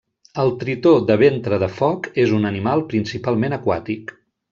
El tritó de ventre de foc és un animal principalment aquàtic.